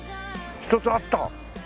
１つあった。